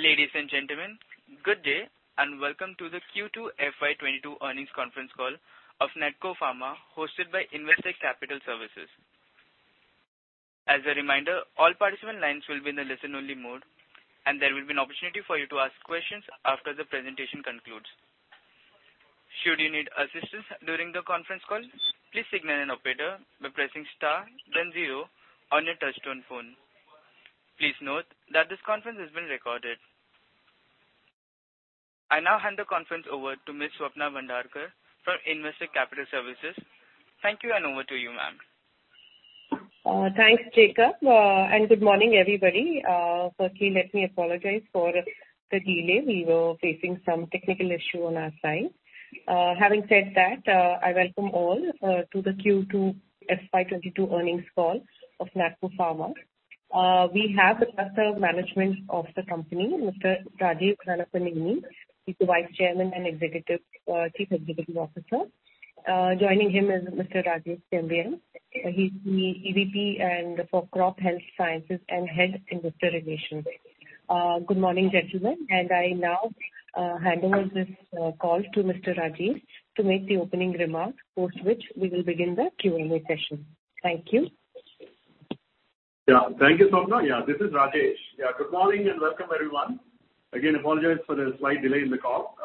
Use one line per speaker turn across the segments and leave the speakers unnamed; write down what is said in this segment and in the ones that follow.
Ladies and gentlemen, good day, and welcome to the Q2 FY 2022 earnings conference call of NATCO Pharma hosted by Investec Capital Services. As a reminder, all participant lines will be in a listen-only mode, and there will be an opportunity for you to ask questions after the presentation concludes. Should you need assistance during the conference call, please signal an operator by pressing star then zero on your touchtone phone. Please note that this conference has been recorded. I now hand the conference over to Ms. Swapna Bhandarkar from Investec Capital Services. Thank you, and over to you, ma'am.
Thanks, Jacob. And good morning, everybody. Firstly, let me apologize for the delay. We were facing some technical issue on our side. Having said that, I welcome all to the Q2 FY 2022 earnings call of NATCO Pharma. We have with us the management of the company, Mr. Rajeev Nannapaneni. He's the Vice Chairman and Chief Executive Officer. Joining him is Mr. Rajesh Chebiyam. He's the EVP for Crop Health Sciences and Head of Investor Relations. Good morning, gentlemen. I now hand over this call to Mr. Rajeev to make the opening remarks, post which we will begin the Q&A session. Thank you.
Thank you, Swapna. This is Rajesh. Good morning and welcome, everyone. I apologize for the slight delay in the call.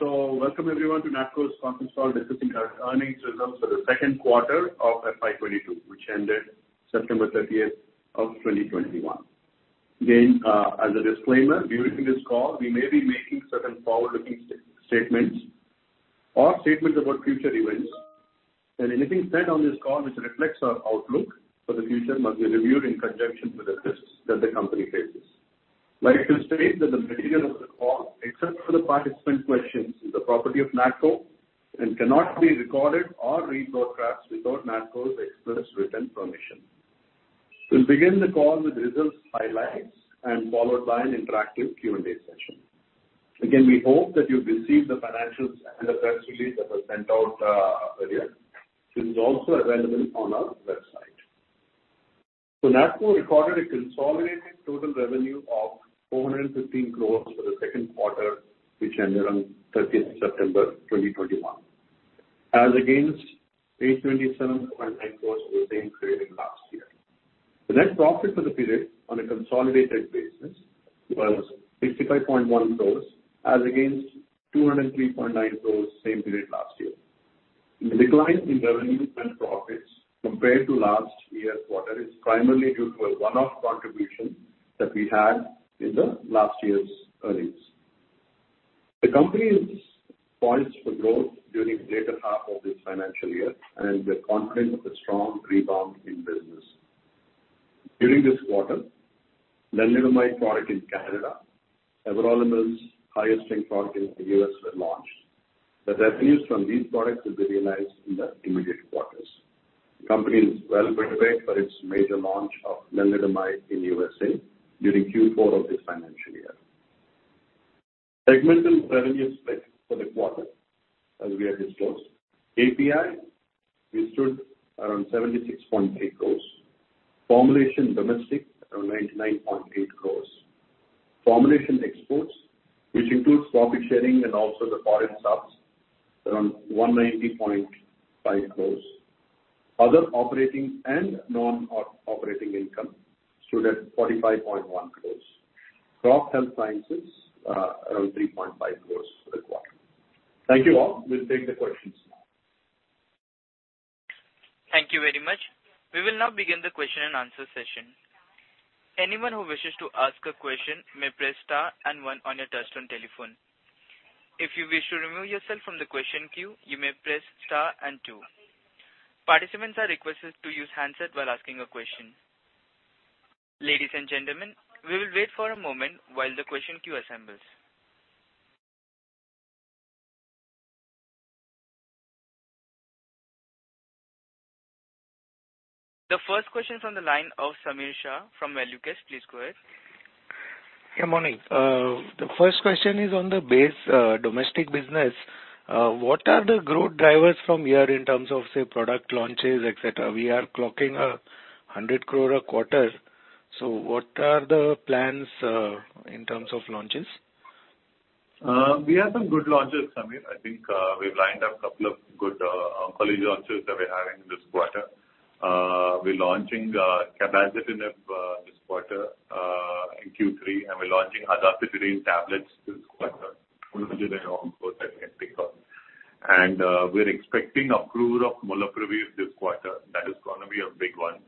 Welcome everyone to NATCO Pharma's conference call discussing our earnings results for the second quarter of FY 2022, which ended September 30, 2021. Again, as a disclaimer, during this call we may be making certain forward-looking statements or statements about future events. Anything said on this call which reflects our outlook for the future must be reviewed in conjunction with the risks that the company faces. I'd like to state that the material of the call, except for the participant questions, is the property of NATCO Pharma and cannot be recorded or reproduced without NATCO Pharma's express written permission. We'll begin the call with results highlights and followed by an interactive Q&A session. Again, we hope that you've received the financials and the press release that was sent out, earlier, which is also available on our website. NATCO recorded a consolidated total revenue of 415 crore for the second quarter, which ended on thirtieth September 2021, as against 827.9 crore for the same period last year. The net profit for the period on a consolidated basis was 65.1 crore as against 203.9 crore same period last year. The decline in revenue and profits compared to last year's quarter is primarily due to a one-off contribution that we had in the last year's earnings. The company is poised for growth during later half of this financial year and is confident of a strong rebound in business. During this quarter, lenalidomide product in Canada, everolimus highest ranked product in the U.S. were launched. The revenues from these products will be realized in the immediate quarters. The company is well prepared for its major launch of lenalidomide in U.S. during Q4 of this financial year. Segmental revenue split for the quarter as we have disclosed: API we stood around 76.3 crores; formulation domestic around 99.8 crores; formulation exports, which includes profit sharing and also the foreign subs, around 190.5 crores. Other operating and non-operating income stood at 45.1 crores. Crop Health Sciences around 3.5 crores for the quarter. Thank you all. We'll take the questions now.
Thank you very much. We will now begin the question-and-answer session. Anyone who wishes to ask a question may press star and one on your touchtone telephone. If you wish to remove yourself from the question queue, you may press star and two. Participants are requested to use handset while asking a question. Ladies and gentlemen, we will wait for a moment while the question queue assembles. The first question is on the line of Sameer Shah from ValueQuest. Please go ahead.
Good morning. The first question is on the based domestic business. What are the growth drivers from here in terms of, say, product launches, etc? We are clocking 100 crore a quarter. What are the plans in terms of launches?
We have some good launches, Sameer. I think we've lined up a couple of good oncology launches that we're having this quarter. We're Launching cabazitaxel this quarter in Q3, and we're launching apalutamide tablets this quarter. We're expecting approval of molnupiravir this quarter. That is gonna be a big one.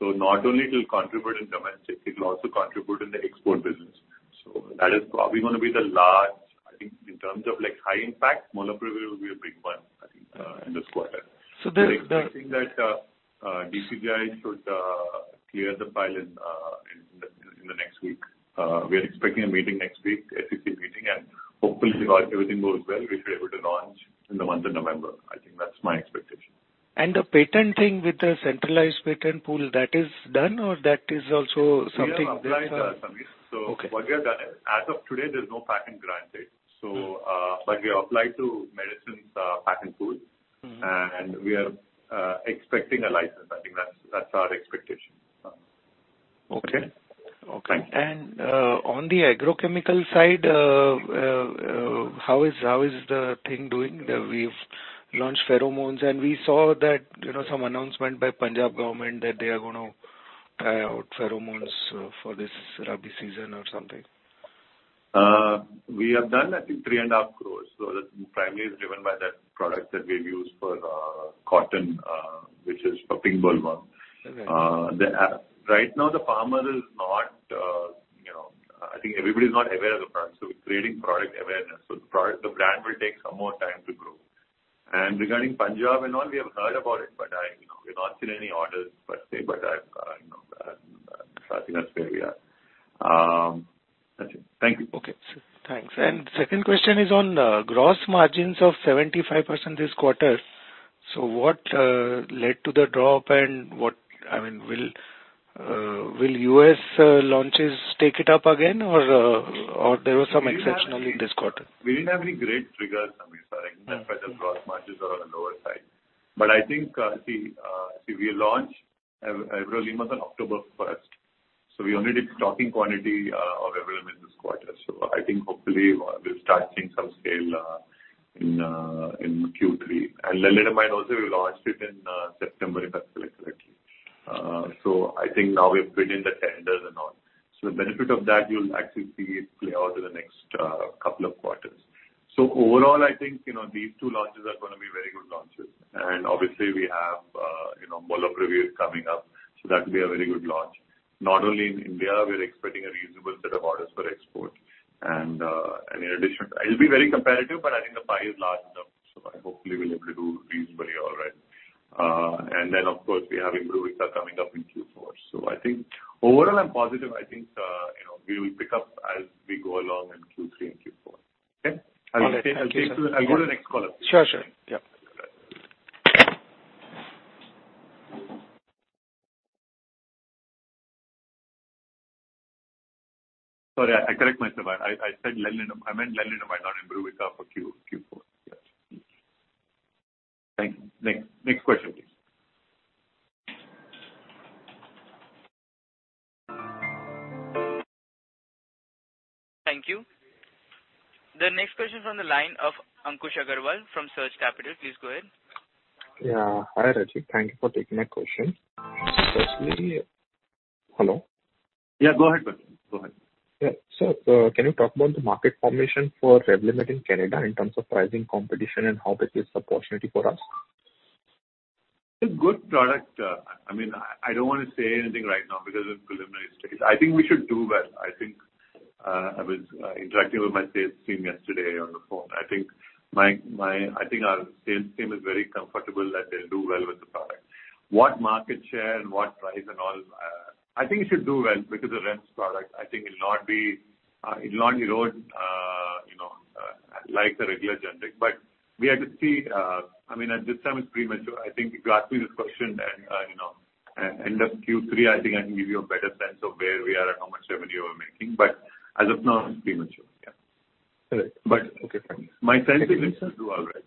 Not only it'll contribute in domestic, it'll also contribute in the export business. That is probably gonna be the large one I think in terms of like high impact, molnupiravir will be a big one, I think, in this quarter.
So the-
We're expecting that DCGI should clear the file in the next week. We are expecting a meeting next week, the SEC meeting, and hopefully if everything goes well, we should be able to launch in the month of November. I think that's my expectation.
The patent thing with the centralized patent pool, that is done or that is also something that,
We have applied, Sameer.
Okay.
What we have done is as of today there's no patent granted. We applied to Medicines Patent Pool.
Mm-hmm.
We are expecting a license. That's our expectation.
On the agrochemical side, how is the thing doing? We've launched pheromones, and we saw that, you know, some announcement by the Punjab government that they are gonna try out pheromones for this rabi season or something.
We have done I think 3.5 Crores. That primarily is driven by that product that we use for cotton, which is for pink bollworm.
Okay.
Right now the farmer is not, you know, I think everybody's not aware of the product, so we're creating product awareness. The product, the brand will take some more time to grow. Regarding Punjab and all, we have heard about it, but I, you know, we've not seen any orders per se, but I, you know, so I think that's where we are. That's it. Thank you.
Okay. Thanks. Second question is on gross margins of 75% this quarter. What led to the drop and what I mean, will U.S. launches take it up again or there was some exceptionals this quarter?
We didn't have any great triggers, Sameer, sorry. That's why the gross margins are on the lower side. I think we launched everolimus on October 1, so we only did stocking quantity of everolimus this quarter. I think hopefully we'll start seeing some scale in Q3. Lenalidomide also, we launched it in September, if I recall correctly. I think now we've been in the tenders and all. The benefit of that you'll actually see it play out in the next couple of quarters. Overall, I think, you know, these two launches are gonna be very good launches. Obviously we have, you know, molnupiravir coming up, so that will be a very good launch. Not only in India, we're expecting a reasonable set of orders for export. In addition, it'll be very competitive, but I think the pie is large enough, so I hopefully will be able to do reasonably all right. Of course, we have Imbruvica coming up in Q4. I think overall I'm positive. I think, you know, we will pick up as we go along in Q3 and Q4. Okay?
All right.
I'll go to the next caller, please.
Sure, sure. Yep.
Sorry, I correct myself. I said lenalidomide, not Imbruvica for Q4. Yes. Thank you. Next question, please.
Thank you. The next question from the line of Ankush Agrawal from Surge Capital. Please go ahead.
Yeah. Hi, Rajeev. Thank you for taking my question. Hello?
Yeah, go ahead. Go ahead.
Can you talk about the market formation for Revlimid in Canada in terms of pricing competition and how big is the opportunity for us?
It's a good product. I mean, I don't wanna say anything right now because it's preliminary stage. I think we should do well. I think I was interacting with my sales team yesterday on the phone. I think our sales team is very comfortable that they'll do well with the product. What market share and what price and all, I think it should do well because it's a Revlimid's product. I think it'll not be rolled, you know, like the regular generic. We have to see. I mean, at this time it's premature. I think if you ask me this question then, you know, end of Q3, I think I can give you a better sense of where we are and how much revenue we're making. As of now it's premature. Yeah.
All right. Okay, fine.
My sense is we should do all right.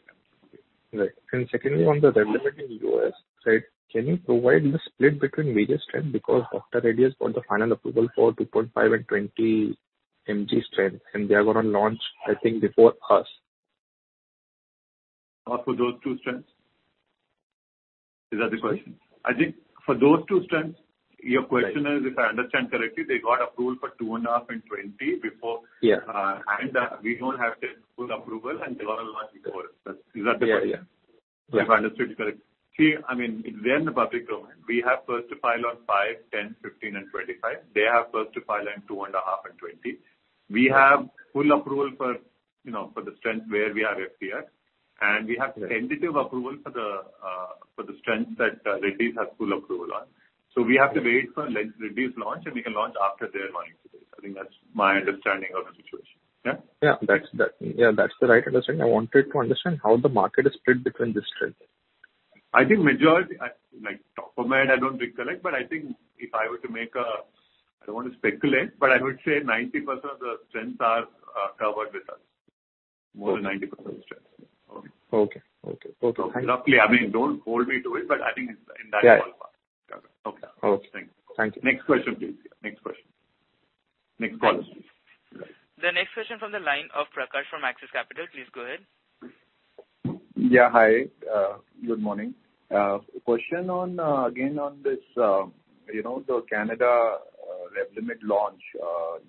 Yeah.
Right. Secondly, on the Revlimid in U.S. side, can you provide the split between major strength? Because Dr. Reddy's got the final approval for 2.5 mg and 20 mg strength, and they are gonna launch, I think, before us.
For those two strengths? Is that the question? I think for those two strengths, your question is, if I understand correctly, they got approved for 2.5 mg and 20 mg before-
Yeah.
We don't have the full approval and they're gonna launch before us. Is that the question?
Yeah, yeah.
If I understood correctly. See, I mean, they're in the public domain. We have first to file on five, 10, 15, and 25. They have first to file in 2.5 and 20. We have full approval for, you know, for the strengths where we have FDF. We have tentative approval for the strengths that Reddy's have full approval on. We have to wait for Reddy's launch, and we can launch after their launch date. I think that's my understanding of the situation. Yeah.
Yeah. That's the right understanding. I wanted to understand how the market is split between this strength.
I think majority, like, top of mind, I don't recollect, but I think if I were to make a. I don't want to speculate, but I would say 90% of the strengths are covered with us. More than 90% of strengths.
Okay.
Roughly, I mean, don't hold me to it, but I think it's in that ballpark.
Yeah.
Okay.
Okay. Thank you.
Next question, please. Yeah. Next question. Next caller, please.
The next question from the line of Prakash from Axis Capital. Please go ahead.
Yeah, hi. Good morning. A question on, again, on this, you know, the Canada Revlimid launch.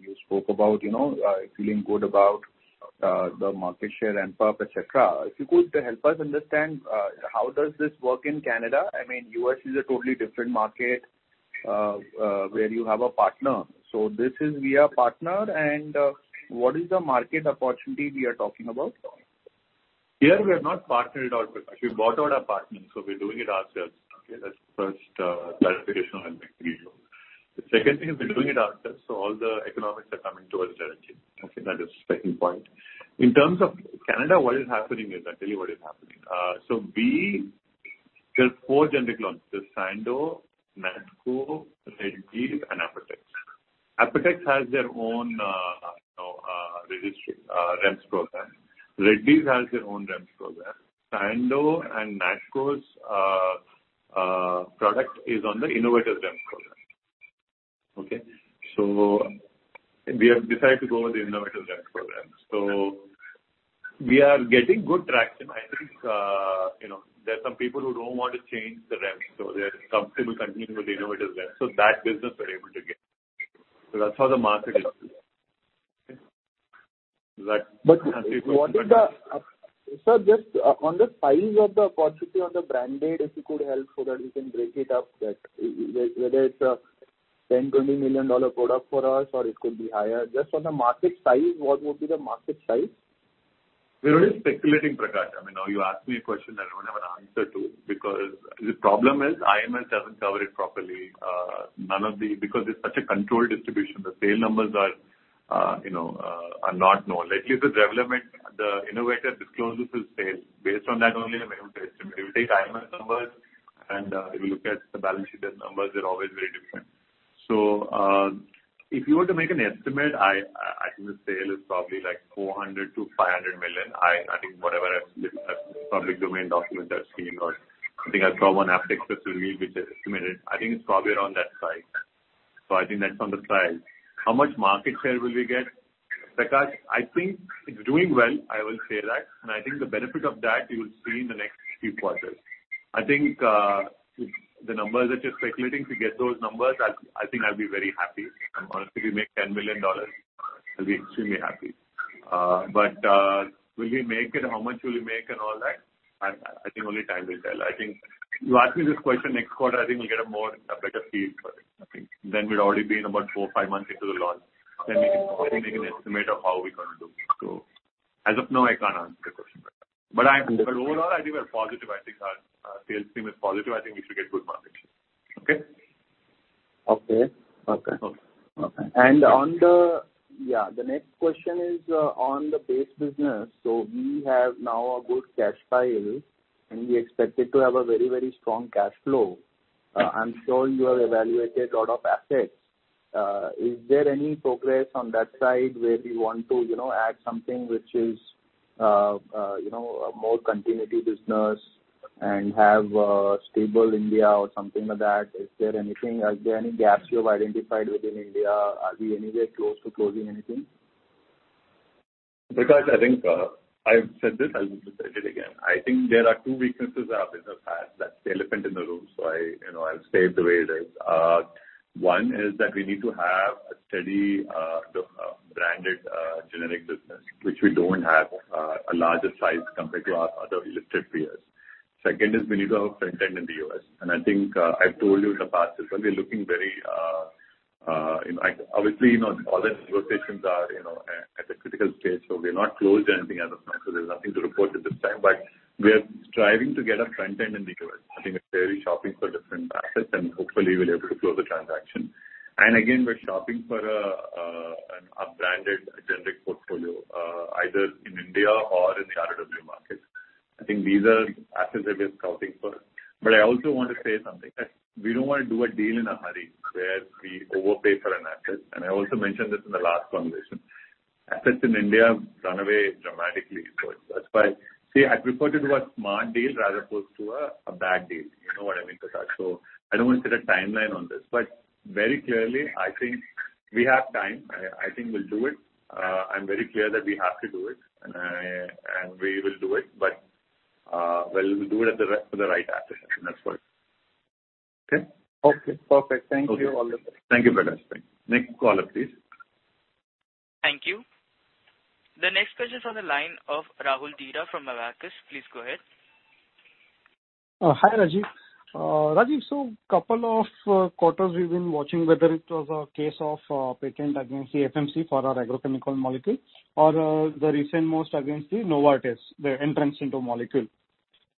You spoke about, you know, feeling good about the market share ramp-up, etc. If you could help us understand how does this work in Canada? I mean, U.S. is a totally different market where you have a partner. This is via partner and what is the market opportunity we are talking about?
Here we are not partnered out. We bought out our partner, so we're doing it ourselves. Okay. That's first clarification I'll make with you. The second thing is we're doing it ourselves, so all the economics are coming to us directly. Okay. That is second point. In terms of Canada, what is happening is, I'll tell you what is happening. There are four generic launches. There are Sandoz, NATCO, Dr. Reddy's and Apotex. Apotex has their own registered REMS program. Dr. Reddy's has their own REMS program. Sandoz and NATCO's product is on the innovative REMS program. Okay? We have decided to go with the innovative REMS program. We are getting good traction. I think, you know, there are some people who don't want to change the REMS, so they're comfortable continuing with the innovative REMS. That business we're able to get. That's how the market is. Okay. Is that?
What is Sir, just on the size of the opportunity on the branded, if you could help so that we can break it up, that whether it's a $10 million-$20 million product for us or it could be higher. Just on the market size, what would be the market size?
We're only speculating, Prakash. I mean, now you ask me a question that I don't have an answer to because the problem is IMS doesn't cover it properly. Because it's such a controlled distribution, the sale numbers are not known. At least with Revlimid, the innovator discloses his sales. Based on that only I'm able to estimate. If you take IMS numbers and if you look at the balance sheet, their numbers are always very different. If you were to make an estimate, I think the sale is probably like $400 million-$500 million. I think whatever I've looked at public domain document I've seen, or I think I saw one Apotex review which has estimated. I think it's probably around that size. I think that's on the size. How much market share will we get? Prakash, I think it's doing well. I will say that, and I think the benefit of that you will see in the next few quarters. I think the numbers that you're speculating, to get those numbers I think I'll be very happy. Honestly, we make $10 million, I'll be extremely happy. But will we make it? How much will we make and all that? I think only time will tell. I think you ask me this question next quarter, I think we'll get a more, a better feel for it, I think. Then we'd already been about four or five months into the launch. Then we can probably make an estimate of how we're gonna do. So as of now, I can't answer the question. But overall, I think we're positive. I think our sales team is positive. I think we should get good market share. Okay?
Okay. Okay.
Okay.
The next question is on the base business. We have now a good cash pile, and we expected to have a very, very strong cash flow. I'm sure you have evaluated a lot of assets. Is there any progress on that side where we want to, you know, add something which is, you know, a more continuity business and have a stable India or something like that? Is there anything? Are there any gaps you have identified within India? Are we anywhere close to closing anything?
Prakash, I think I've said this, I'll just say it again. I think there are two weaknesses our business has. That's the elephant in the room, so I, you know, I'll state the way it is. One is that we need to have a steady branded generic business, which we don't have a larger size compared to our other listed peers. Second is we need to have front end in the U.S. I think I've told you in the past as well, we're looking very. You know, obviously, you know, all the negotiations are, you know, at a critical stage, so we're not close to anything as of now, so there's nothing to report at this time. We are striving to get a front end in the U.S. I think we're clearly shopping for different assets, and hopefully we'll be able to close the transaction. Again, we're shopping for a branded generic portfolio, either in India or in the ROW markets. I think these are assets that we're scouting for. I also want to say something that we don't wanna do a deal in a hurry where we overpay for an asset, and I also mentioned this in the last conversation. Assets in India run away dramatically. That's why I prefer to do a smart deal rather than close to a bad deal. You know what I mean, Prakash. I don't wanna set a timeline on this. Very clearly, I think we have time. I think we'll do it. I'm very clear that we have to do it and I-- We will do it, but we'll do it with the right asset, and that's all. Okay?
Okay. Perfect. Thank you all.
Thank you, Prakash. Next caller, please.
Thank you. The next question is on the line of Rahul Didar from. [inaudible] Please go ahead.
Hi, Rajeev. Rajeev, So couple of quarters we've been watching whether it was a case of patent against the FMC for our agrochemical molecule or the most recent against Novartis, the entrance into molecule.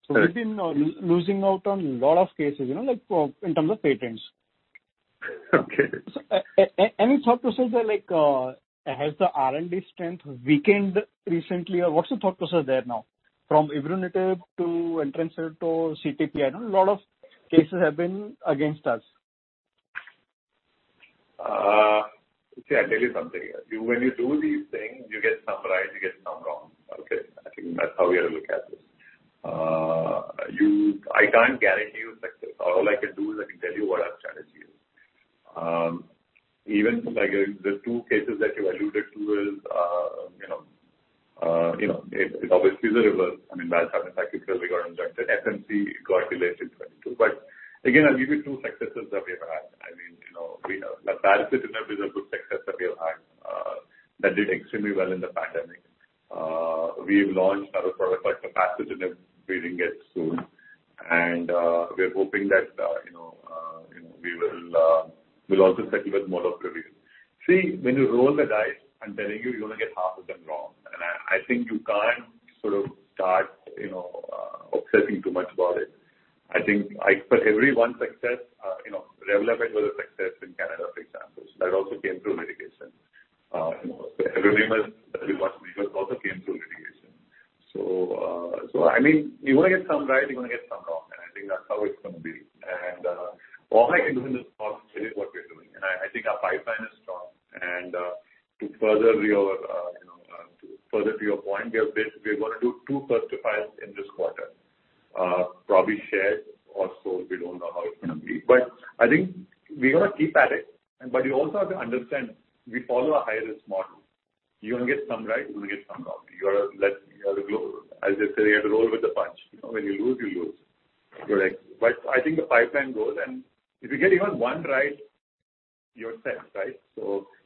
Right.
We've been losing out on lot of cases, you know, like, in terms of patents.
Okay.
Any thought process there, like, has the R&D strength weakened recently, or what's the thought process there now? From ibrutinib to Entresto to CTPR. I know a lot of cases have been against us.
See, I'll tell you something. When you do these things, you get some right, you get some wrong. Okay? I think that's how we ought to look at this. I can't guarantee you success. All I can do is I can tell you what our strategy is. Even from, like, the two cases that you alluded to is, you know, it obviously is a reverse. I mean, that time in fact because we got rejected, FMC got delayed till 2022. Again, I'll give you two successes that we've had. I mean, you know, Baricitinib is a good success that we have had, that did extremely well in the pandemic. We've launched our product like the Baricitinib, we think it's soon. We are hoping that you know you know we will we'll also settle with mode of review. See, when you roll the dice, I'm telling you're gonna get half of them wrong. I think you can't sort of start you know obsessing too much about it. I think. For every one success you know Revlimid was a success in Canada, for example. That also came through litigation. I remember that we lost, we also came through. I mean, you're gonna get some right, you're gonna get some wrong, and I think that's how it's gonna be. All I can do in this call is tell you what we're doing. I think our pipeline is strong. To further your point, we're gonna do two first-to-files in this quarter. Probably shared also, we don't know how it's gonna be. I think we're gonna keep at it. You also have to understand, we follow a high-risk model. You're gonna get some right, you're gonna get some wrong. As they say, you have to roll with the punch. You know, when you lose, you lose. I think the pipeline grows, and if you get even one right, you're set, right?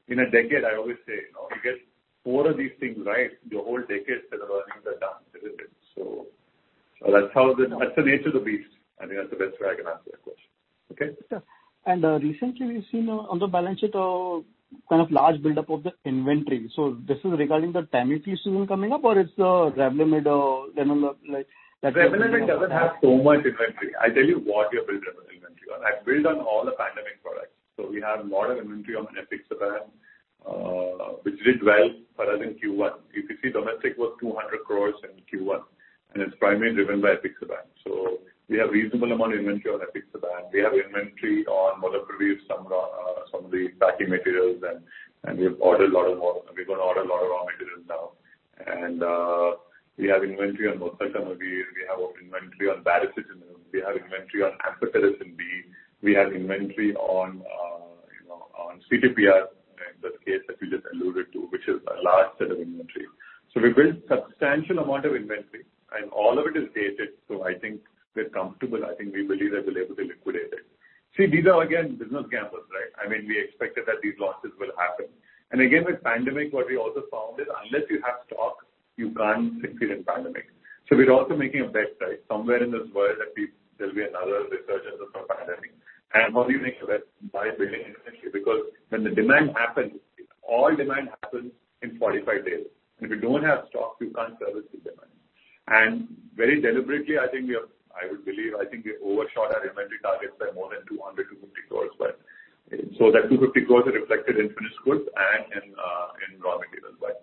In a decade, I always say, you know, you get four of these things right, your whole decade's kind of earnings are done, delivered. That's the nature of the beast, and that's the best way I can answer that question. Okay?
Sure. Recently we've seen on the balance sheet a kind of large buildup of the inventory. This is regarding the pandemic season coming up, or it's the Remdesivir, you know, like
Remdesivir doesn't have so much inventory. I tell you what we have built Remdesivir inventory on. I've built on all the pandemic products. We have a lot of inventory on Apixaban, which did well for us in Q1. If you see domestic was 200 crore in Q1, and it's primarily driven by Apixaban. We have reasonable amount of inventory on Apixaban. We have inventory on molnupiravir, some of the packing materials and we've ordered a lot of raw materials now. We have inventory on Oseltamivir. We have inventory on Baricitinib. We have inventory on Amphotericin B. We have inventory on, you know, on CTPR, in this case that we just alluded to, which is a large set of inventory. We built substantial amount of inventory, and all of it is dated, so I think we're comfortable. I think we believe that we're able to liquidate it. See, these are again business gambles, right? I mean, we expected that these losses will happen. Again, with pandemic, what we also found is unless you have stock, you can't succeed in pandemic. We're also making a bet, right? Somewhere in this world there'll be another resurgence of a pandemic. How do you make a bet? By building inventory. Because when the demand happens, all demand happens in 45 days. If you don't have stock, you can't service the demand. Very deliberately, I think we have. I would believe, I think we overshot our inventory targets by more than 200-250 crore, right? That 250 crores are reflected in finished goods and in raw materials, right.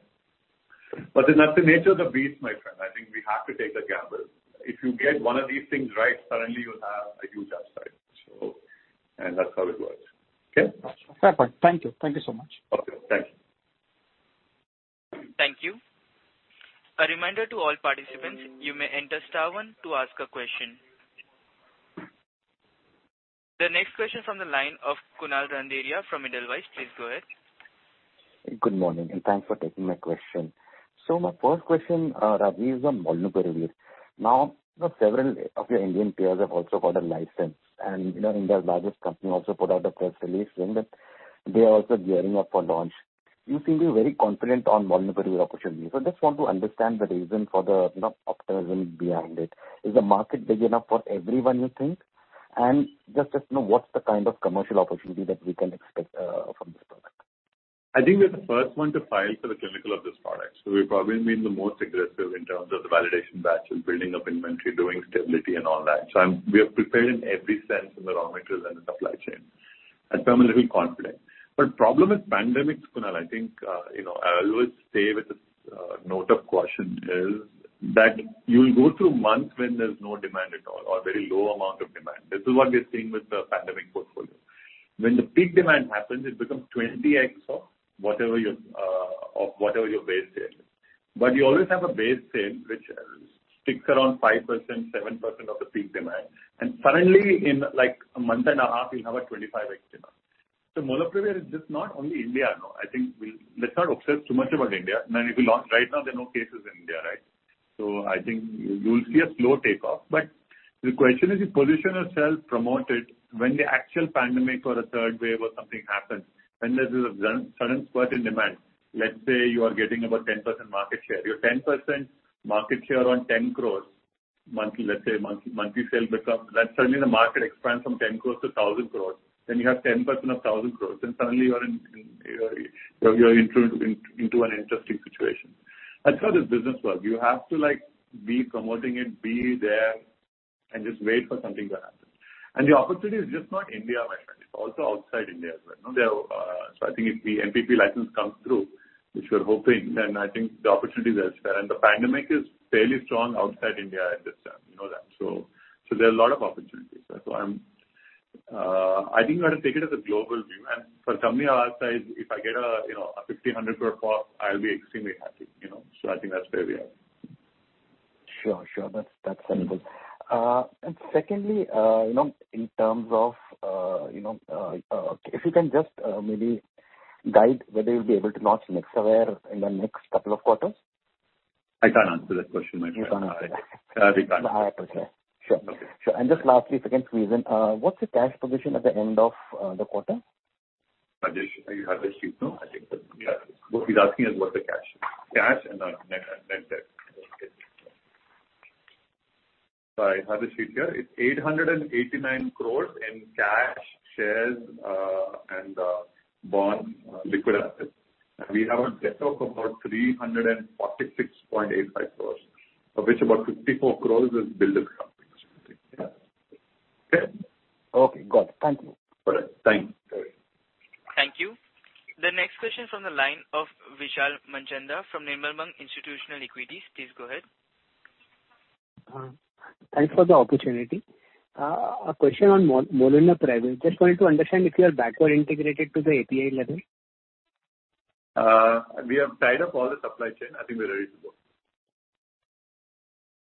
That's the nature of the beast, my friend. I think we have to take the gamble. If you get one of these things right, suddenly you'll have a huge upside. That's how it works. Okay.
Fair point. Thank you. Thank you so much.
Okay. Thanks.
Thank you. A reminder to all participants, you may enter star one to ask a question. The next question from the line of Kunal Randeria from Edelweiss. Please go ahead.
Good morning, and thanks for taking my question. My first question, Rajeev, is on molnupiravir. Now, you know, several of your Indian peers have also got a license. You know, India's largest company also put out a press release saying that they are also gearing up for launch. You seem to be very confident on molnupiravir opportunities. I just want to understand the reason for the, you know, optimism behind it. Is the market big enough for everyone, you think? Just know what's the kind of commercial opportunity that we can expect from this product?
I think we're the first one to file for the clinical of this product. We've probably been the most aggressive in terms of the validation batch and building up inventory, doing stability and all that. We are prepared in every sense in the raw materials and the supply chain. That's why I'm a little confident. Problem with pandemics, Kunal, I think, you know, I always say with a note of caution is that you'll go through months when there's no demand at all or very low amount of demand. This is what we're seeing with the pandemic portfolio. When the peak demand happens, it becomes 20x of whatever your base sale is. You always have a base sale, which sticks around 5%, 7% of the peak demand. Suddenly in, like, a month and a half, you'll have a 25x demand. Molnupiravir is just not only India, no. I think we—let's not obsess too much about India. I mean, if you launch right now, there are no cases in India, right? I think you'll see a slow takeoff. But the question is, if position ourselves, promote it, when the actual pandemic or a third wave or something happens, when there's a sudden spurt in demand, let's say you are getting about 10% market share. Your 10% market share on 10 crore monthly, let's say monthly sale becomes. Let's suddenly the market expands from 10 crore-1,000 crore, then you have 10% of 1,000 crore, then suddenly you're into an interesting situation. That's how this business works. You have to, like, be promoting it, be there, and just wait for something to happen. The opportunity is just not India, my friend. It's also outside India as well. You know, there. I think if the MPP license comes through, which we're hoping, then I think the opportunity is there. The pandemic is fairly strong outside India at this time. You know that. So there are a lot of opportunities. That's why I'm. I think you have to take it as a global view. For some outside, if I get a, you know, a 1,500 crore pot, I'll be extremely happy, you know. I think that's where we are.
Sure, sure. That's understandable. Secondly, you know, in terms of, you know, if you can just maybe guide whether you'll be able to launch Nexavar in the next couple of quarters?
I can't answer that question, my friend.
You can't answer that.
I really can't.
Okay. Sure.
Okay.
Sure. Just lastly, if you can please, what's the cash position at the end of the quarter?
Rajesh, you have the sheet, no? I think that. Yeah. What he's asking is what's the cash. Cash and net debt. I have the sheet here. It's 889 crores in cash, shares, and bond liquid assets. We have a debt of about 346.85 crores, of which about 54 crores is subsidiary companies, I think. Yeah. Okay?
Okay, got it. Thank you.
All right. Thanks.
Next question from the line of Vishal Manchanda from Nirmal Bang Institutional Equities. Please go ahead.
Thanks for the opportunity. A question on molnupiravir. We just wanted to understand if you are backward integrated to the API level.
We have tied up all the supply chain. I think we're ready to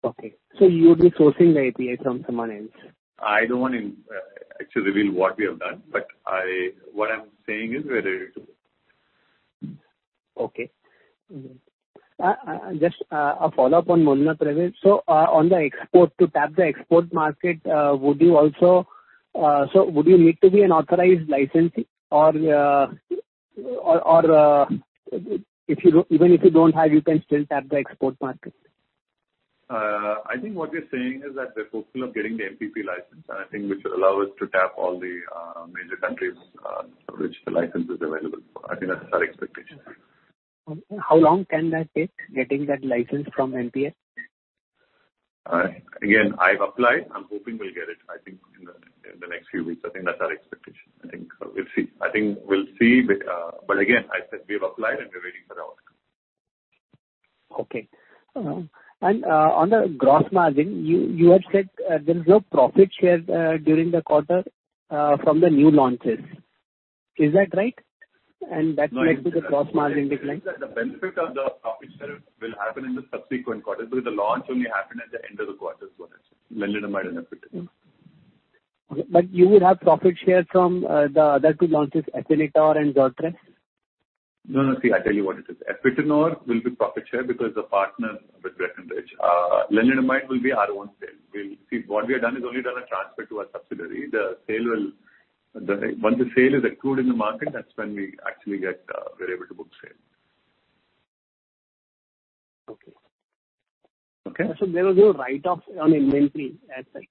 go.
Okay. You'll be sourcing the API from someone else?
I don't wanna actually reveal what we have done, but what I'm saying is we're ready to go.
Just a follow-up on molnupiravir. On the export, to tap the export market, would you need to be an authorized licensee or even if you don't have, you can still tap the export market?
I think what you're saying is that we're hopeful of getting the MPP license, and I think which will allow us to tap all the major countries for which the license is available. I think that's our expectation.
How long can that take, getting that license from MPP?
Again, I've applied. I'm hoping we'll get it, I think in the next few weeks. I think that's our expectation. I think we'll see. Again, I said we have applied and we're waiting for our outcome.
Okay, on the gross margin, you had said there was no profit shared during the quarter from the new launches. Is that right? That's led to the gross margin decline.
The benefit of the profit share will happen in the subsequent quarters because the launch only happened at the end of the quarter, so that's lenalidomide and apalutamide.
You will have profit share from the other two launches, Afinitor and Zortress?
No, no. See, I tell you what it is. Afinitor will be profit share because the partners with Breckenridge. Lenalidomide will be our own sale. See, what we have done is only a transfer to our subsidiary. Once the sale is accrued in the market, that's when we actually get. We're able to book sale.
Okay.
Okay?
There was no write-off on inventory as such?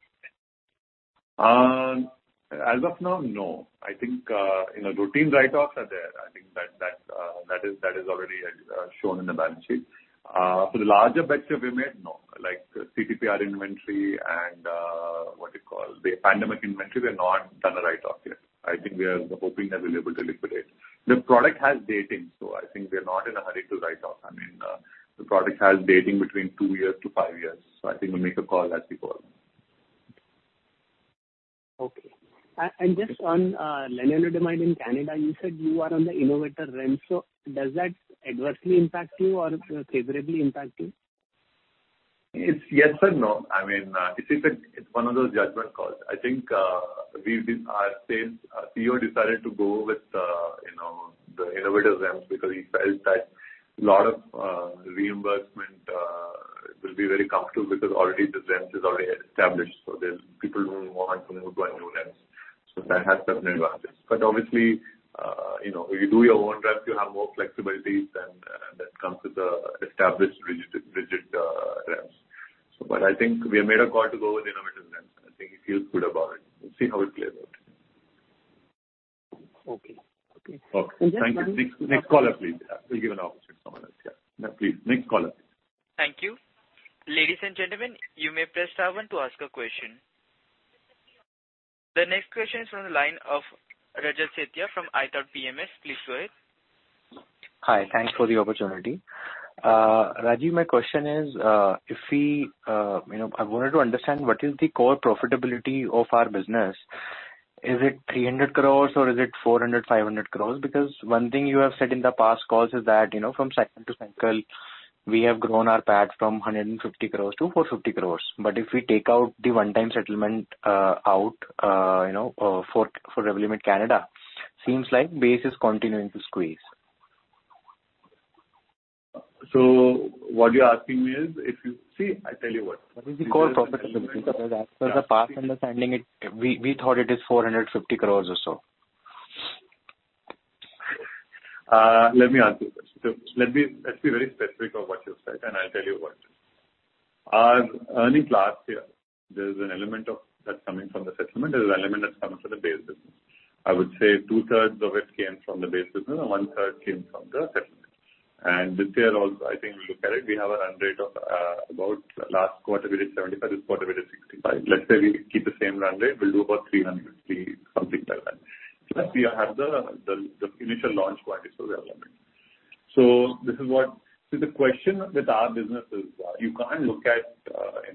As of now, no. I think you know, routine write-offs are there. I think that is already shown in the balance sheet. For the larger batch we made, no. Like CTPR inventory and what you call the pandemic inventory, we have not done a write-off yet. I think we are hoping that we'll be able to liquidate. The product has dating, so I think we are not in a hurry to write off. I mean, the product has dating between two years to five years. I think we'll make a call as we go along.
Just on lenalidomide in Canada, you said you are on the innovator REMS. So does that adversely impact you or favorably impact you?
It's yes and no. I mean, it's one of those judgment calls. I think, Our sales CEO decided to go with, you know, the innovator REMS because he felt that a lot of reimbursement will be very comfortable because already the REMS is already established. People who want to apply new REMS. That has certain advantages. Obviously, you know, when you do your own REMS, you have more flexibilities than comes with the established rigid REMS. I think we have made a call to go with innovator REMS, and I think he feels good about it. We'll see how it plays out.
Okay. Okay.
Okay. Thank you. Next caller, please. We'll give an opportunity to someone else. Yeah. No, please. Next caller, please.
Thank you. Ladies and gentlemen, you may press star one to ask a question. The next question is from the line of Raja Sethia from IIFL PMS. Please go ahead.
Hi. Thanks for the opportunity. Rajeev, my question is, if we, I wanted to understand what is the core profitability of our business. Is it 300 crores or is it 400-500 crores? Because one thing you have said in the past calls is that, from cycle to cycle, we have grown our PAT from 150 crores-450 crores. If we take out the one-time settlement for Revlimid Canada, seems like base is continuing to squeeze.
What you're asking me is if you see, I tell you what.
What is the core profitability? Because as per the past understanding, we thought it is 450 crore or so.
Let me ask you a question. Let's be very specific about what you've said, and I'll tell you what. Our earnings last year, there's an element of that coming from the settlement. There's an element that's coming from the base business. I would say 2/3 of it came from the base business and one-third came from the settlement. This year also, I think we look at it, we have a run rate of about last quarter we did 75, this quarter we did 65. Let's say we keep the same run rate, we'll do about 350, something like that. Plus we have the initial launch quantities for Revlimid. So this is what. See, the question with our business is, you can't look at it, you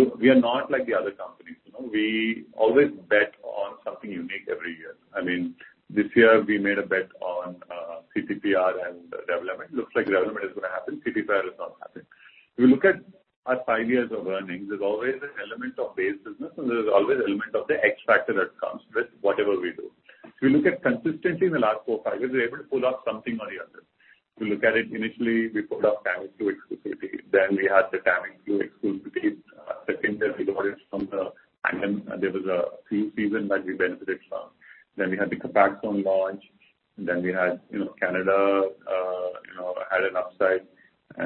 know. We are not like the other companies. You know? We always bet on something unique every year. I mean, this year we made a bet on CTPR and Revlimid. Looks like Revlimid is gonna happen. CTPR has not happened. If you look at our five years of earnings, there's always an element of base business and there is always element of the X factor that comes with whatever we do. If you look at consistency in the last four, five years, we're able to pull off something or the other. If you look at it initially, we pulled off [inaudible] exclusivity. Then we had the [inaudible] exclusivity second year we got it from the pandemic. There was a flu season that we benefited from. Then we had the Copaxone launch. Then we had, you know, Canada you know had an upside.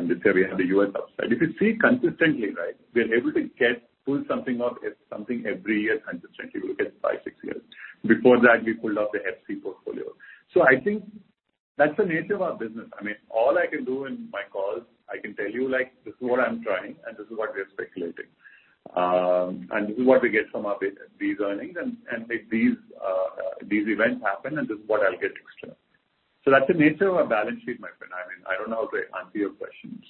This year we had the U.S. upside. If you see consistently, right, we're able to get, pull something off, something every year consistently. We look at five, six years. Before that, we pulled off the Hep-C portfolio. I think that's the nature of our business. I mean, all I can do in my calls, I can tell you, like, this is what I'm trying and this is what we are speculating. This is what we get from our base, these earnings and make these events happen, and this is what I'll get next year. That's the nature of our balance sheet, my friend. I mean, I don't know how to answer your question.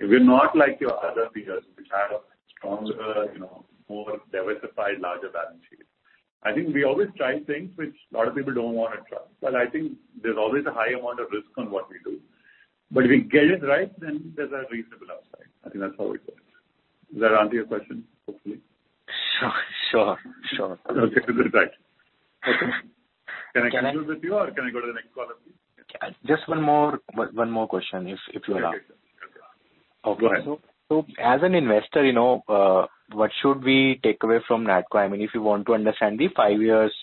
We're not like your other peers which have a stronger, you know, more diversified, larger balance sheet. I think we always try things which a lot of people don't wanna try. I think there's always a high amount of risk on what we do. If we get it right, then there's a reasonable upside. I think that's how it works. Does that answer your question, hopefully?
Sure.
Okay. Good. Right. Okay.
Can I-
Can I continue with you or can I go to the next caller, please?
Just one more question if you allow?
Okay. Go ahead.
As an investor, you know, what should we take away from NATCO? I mean, if you want to understand the five years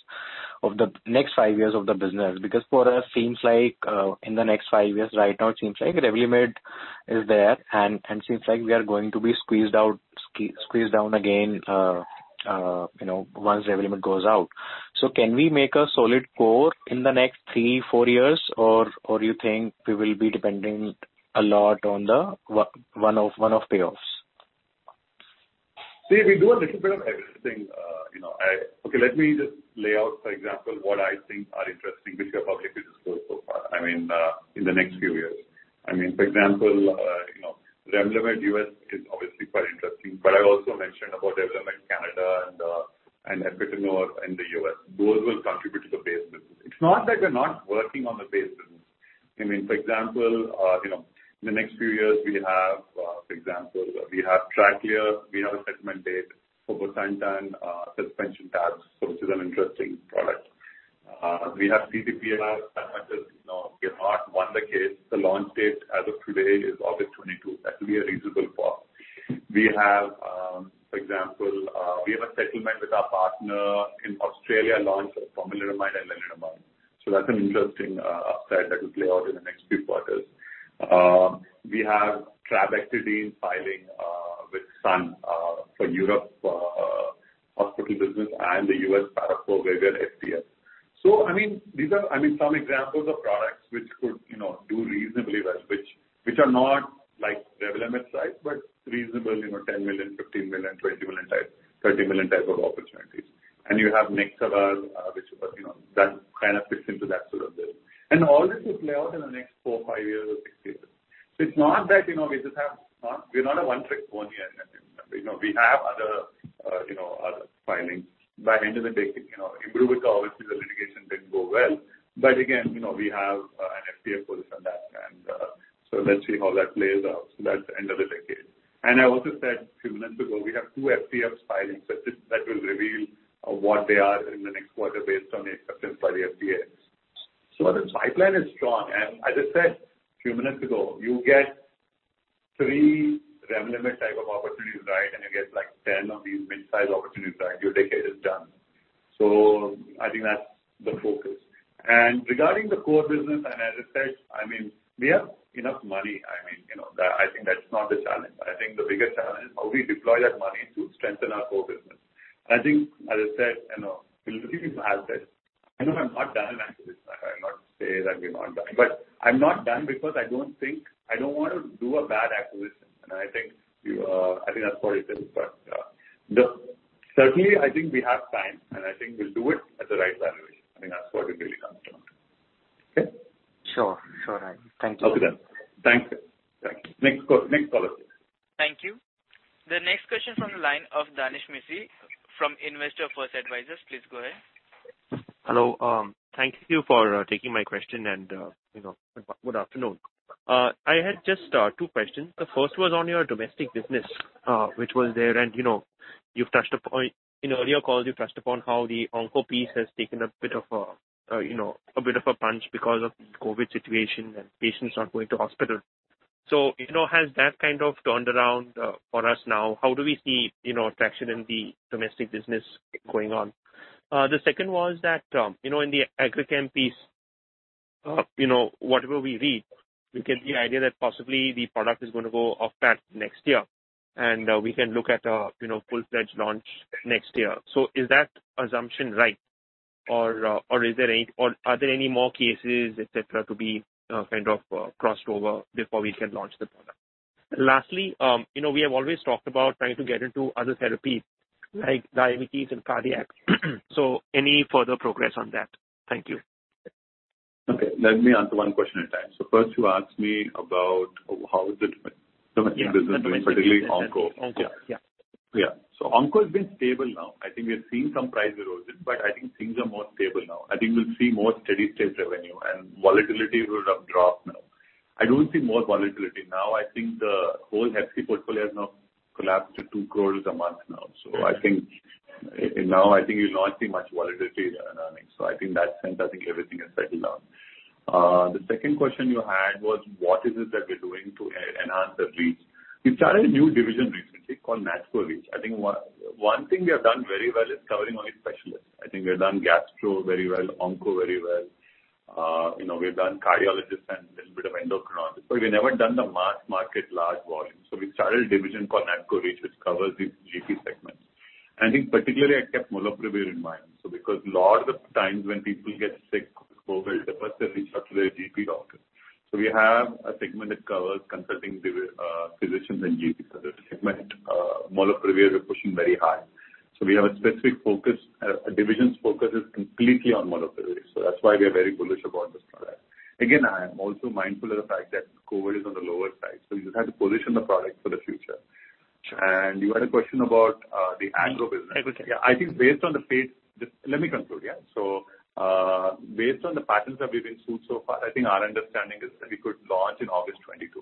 of the next five years of the business, because for us it seems like in the next five years, right now it seems like Revlimid is there and seems like we are going to be squeezed out, squeezed down again, you know, once Revlimid goes out. Can we make a solid core in the next three, four years or you think we will be depending a lot on one-off payoffs?
See, we do a little bit of everything, you know. Okay, let me just lay out, for example, what I think are interesting, which we have publicly disclosed so far, I mean, in the next few years. I mean, for example, you know, Revlimid U.S. is obviously quite interesting, but I also mentioned about Revlimid Canada and Epclusa in the U.S. Those will contribute to the base business. It's not that we're not working on the base business. I mean, for example, you know, in the next few years we have, for example, we have Tracleer. We have a settlement date for bosentan suspension tabs, which is an interesting product. We have CPTR [inaudible] as you know. We have not won the case. The launch date as of today is August 2022. That will be a reasonable call. For example, we have a settlement with our partner in Australia, launch of pomalidomide and lenalidomide. That's an interesting upside that will play out in the next few quarters. We have trabectedin filing with Sun for Europe hospital business and the U.S. [para COVID] FTF. I mean, these are some examples of products which could, you know, do reasonably well, which are not like Revlimid size, but reasonably, you know, $10 million, $15 million, $20 million type, $30 million type of opportunities. You have Nexavar, which, you know, that kind of fits into that sort of bill. All this will play out in the next four, five years or six years. It's not that, you know, we just have one. We're not a one-trick pony. You know, we have other, you know, other filings. By end of the decade, you know, Imbruvica, obviously the litigation didn't go well. Again, you know, we have an FTF for this and that. Let's see how that plays out. That's the end of the decade. I also said a few minutes ago, we have two FDFs filing, but that will reveal what they are in the next quarter based on the acceptance by the FDA. The pipeline is strong. As I said a few minutes ago, you get three Revlimid type of opportunities, right? You get like 10 of these mid-size opportunities, right? Your decade is done. I think that's the focus. Regarding the core business, as I said, I mean, we have enough money. I mean, you know, that I think that's not the challenge. I think the biggest challenge is how we deploy that money to strengthen our core business. I think, as I said, you know, we literally have said, I know I'm not done acquisitions. I cannot say that we're not done. I'm not done because I don't think, I don't want to do a bad acquisition. I think you, I think that's what it is. Certainly, I think we have time, and I think we'll do it at the right valuation. I think that's what it really comes down to. Okay?
Sure. Thank you.
Okay. Thank you. Next call, next caller, please.
Thank you. The next question from the line of Danesh Mistry from Investor First Advisors. Please go ahead.
Hello. Thank you for taking my question and, you know, good afternoon. I had just two questions. The first was on your domestic business, which was there and, you know, you've touched upon in earlier calls how the onco piece has taken a bit of a punch because of COVID situation and patients not going to hospital. You know, has that kind of turned around for us now? How do we see, you know, traction in the domestic business going on? The second was that, you know, in the AgriChem piece, you know, whatever we read, we get the idea that possibly the product is gonna go off patent next year, and we can look at a, you know, full-fledged launch next year. Is that assumption right? Are there any more cases, etc, to be kind of crossed over before we can launch the product? Lastly, you know, we have always talked about trying to get into other therapies like diabetes and cardiac. Any further progress on that? Thank you.
Okay. Let me answer one question at a time. First you asked me about how is the domestic business doing, particularly onco.
Onco. Yeah.
Yeah. Onco has been stable now. I think we are seeing some price erosion, but I think things are more stable now. I think we'll see more steady state revenue and volatility would have dropped now. I don't see more volatility now. I think the whole Hep-C portfolio has now collapsed to 2 crore a month now. I think you'll not see much volatility in our earnings. I think that sense, I think everything has settled down. The second question you had was what is it that we're doing to enhance the reach? We started a new division recently called NATCO Reach. I think one thing we have done very well is covering only specialists. I think we've done gastro very well, onco very well. You know, we've done cardiologist and a little bit of endocrinologist. We've never done the mass market large volume. We started a division called NATCO Reach, which covers the GP sector. I think particularly I kept molnupiravir in mind. Because lot of times when people get sick with COVID, the first thing they talk to their GP doctor. We have a segmented cover consulting the physicians and GPs as a segment. Molnupiravir we're pushing very high. We have a specific focus. Our division's focus is completely on molnupiravir, so that's why we are very bullish about this product. Again, I am also mindful of the fact that COVID is on the lower side, so you have to position the product for the future. You had a question about the agro business.
Everything.
Based on the patterns that we've been through so far, I think our understanding is that we could launch in August 2022.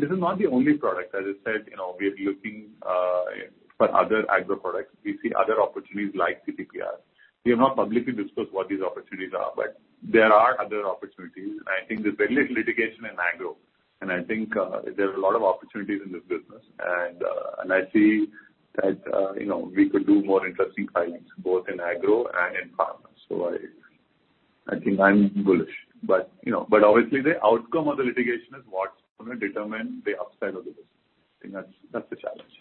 This is not the only product. As I said, you know, we are looking for other agro products. We see other opportunities like CTPR. We have not publicly discussed what these opportunities are, but there are other opportunities, and I think there's very little litigation in agro. I think there are a lot of opportunities in this business. I see that, you know, we could do more interesting filings both in agro and in pharma. I think I'm bullish. You know, obviously the outcome of the litigation is what's gonna determine the upside of the business. I think that's the challenge.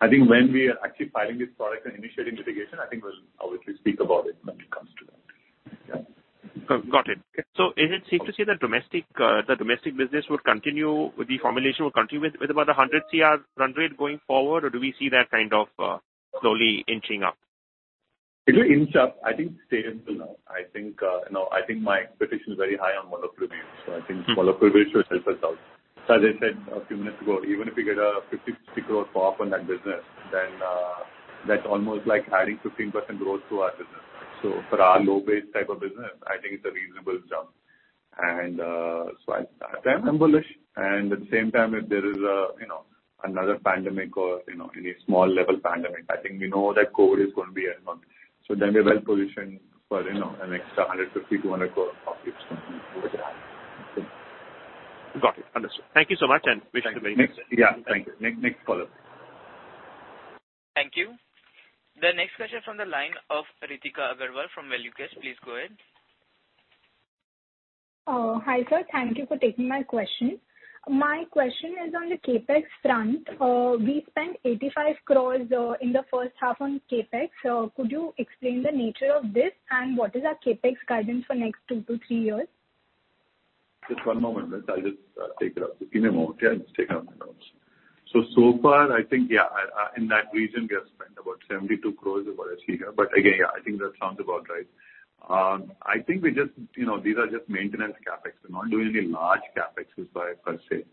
I think when we are actually filing this product and initiating litigation, I think we'll obviously speak about it when it comes to that. Yeah.
Got it. Is it safe to say that domestic, the domestic business would continue with the formulation with about 100 crore run rate going forward? Or do we see that kind of slowly inching up?
It will inch up. I think stable for now. I think, you know, I think my expectation is very high on molnupiravir, so I think molnupiravir should help us out. As I said a few minutes ago, even if we get 50 crore-60 crore pop on that business, then, that's almost like adding 15% growth to our business. For our low base type of business, I think it's a reasonable jump. So I am bullish. At the same time, if there is, you know, another pandemic or, you know, any small level pandemic, I think we know that COVID is gonna be around. We're well-positioned for, you know, an extra 150 crore-200 crore profits coming over the horizon.
Got it. Understood. Thank you so much, and wish you the very best.
Yeah. Thank you. Next caller.
Thank you. The next question from the line of Ritika Agarwal from ValueQuest, please go ahead.
Oh, hi, sir. Thank you for taking my question. My question is on the CapEx front. We spent 85 crores in the first half on CapEx. Could you explain the nature of this and what is our CapEx guidance for next two to three years?
Just one moment. I'll just take it up. Give me a moment. Just take it on the notes. So far I think in that region we have spent about 72 crore over a year. Again, I think that sounds about right. I think we just, you know, these are just maintenance CapEx. We're not doing any large CapExes per se.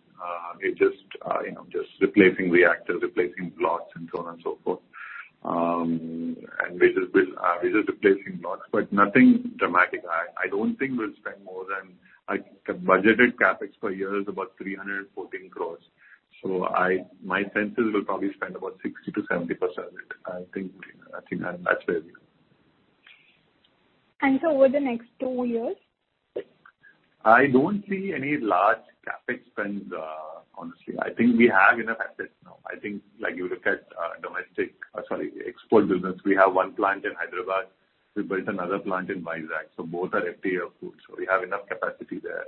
We're just replacing reactors, replacing blocks and so on and so forth. We're just replacing blocks, but nothing dramatic. I don't think we'll spend more than, like, the budgeted CapEx per year is about 314 crore. My sense is we'll probably spend about 60%-70% of it. I think that's where we are.
Over the next two years?
I don't see any large CapEx spends, honestly. I think we have enough assets now. I think, like, you look at domestic export business, we have one plant in Hyderabad. We built another plant in Vizag. Both are FDA approved, so we have enough capacity there.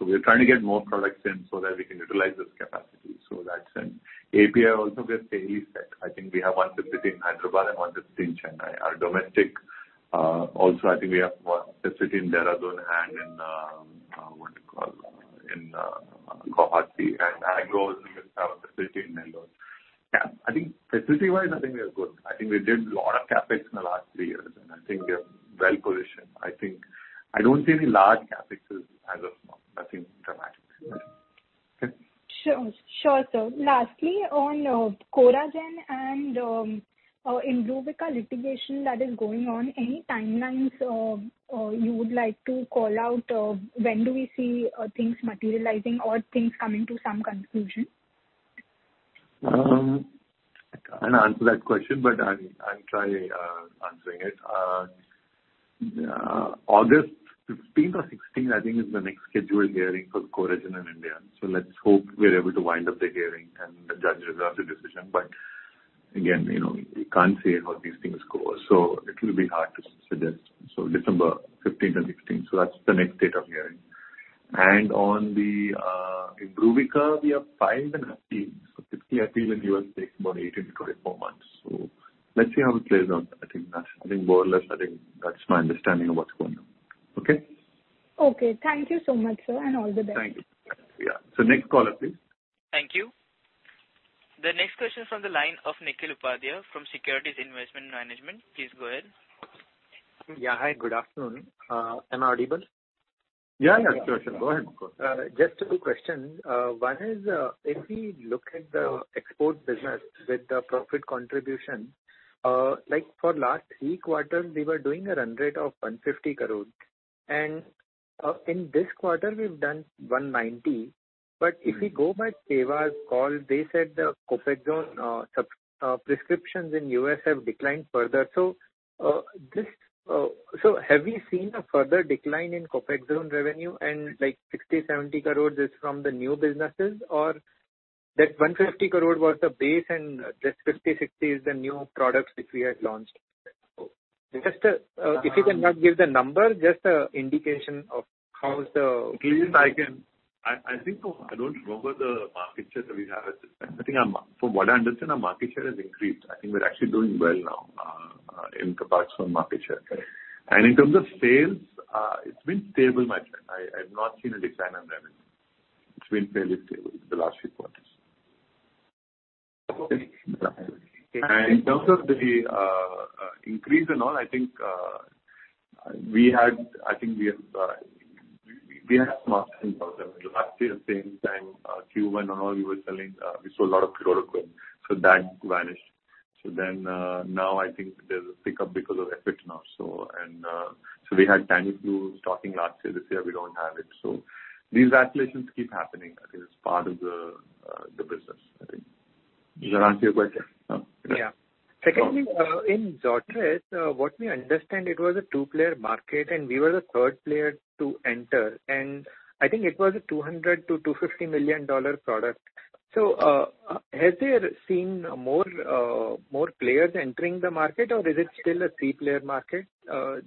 We are trying to get more products in so that we can utilize this capacity. That's it. API also we are fairly set. I think we have one facility in Hyderabad and one facility in Chennai. Our domestic also I think we have one facility in Dehradun and in what you call Guwahati. Agro also we have a facility in Nellore. Yeah, I think facility-wise, I think we are good. I think we did a lot of CapEx in the last three years, and I think we are well-positioned. I think I don't see any large CapExes as of now. Nothing dramatic.
Sure. Sure, sir. Lastly, on Coragen and Imbruvica litigation that is going on, any timelines you would like to call out, when do we see things materializing or things coming to some conclusion?
I can't answer that question, but I'll try answering it. August 15 or 16, I think is the next scheduled hearing for Coragen in India. Let's hope we're able to wind up the hearing and the judge reserve the decision. Again, you know, you can't say how these things go. It will be hard to suggest. December 15 to 16, that's the next date of hearing. On the Imbruvica, we have filed an appeal. Typically appeal in U.S. takes about 18-24 months. Let's see how it plays out. I think that's more or less my understanding of what's going on. Okay?
Okay. Thank you so much, sir, and all the best.
Thank you. Yeah. Next caller, please.
Thank you. The next question from the line of Nikhil Upadhyay from Securities Investment Management. Please go ahead.
Yeah, hi. Good afternoon. Am I audible?
Yeah. Yeah, sure. Go ahead.
Just two questions. One is, if we look at the export business with the profit contribution, like for last three quarters, we were doing a run rate of 150 crore. In this quarter, we've done 190 crore. If we go by Mylan's call, they said the Copaxone prescriptions in U.S. have declined further. Have you seen a further decline in Copaxone revenue and, like 60 crore-70 crore is from the new businesses? Or that 150 crore was the base and just 50 crore-60 crore is the new products which we have launched? If you cannot give the number, just an indication of how is the-
I think so. I don't remember the market share that we have at this time. From what I understand, our market share has increased. I think we're actually doing well now in Copaxone market share. In terms of sales, it's been stable, my friend. I've not seen a decline on that. It's been fairly stable the last few quarters.
Okay.
In terms of the increase and all, I think we had some ups and downs there. Last year the same time, Q1 and all we were selling, we sold a lot of Chloroquine, so that vanished. Now I think there's a pickup because of Everolimus now, we had Tamiflu stocking last year. This year we don't have it. These vacillations keep happening. I think it's part of the business, I think. Does that answer your question?
Yeah.
Okay.
Secondly, in Zortress, what we understand, it was a two-player market, and we were the third player to enter. I think it was a $200 million-$250 million product. Have there been more players entering the market, or is it still a three-player market?